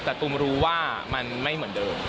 แต่ตุมรู้ว่ามันไม่เหมือนเดิม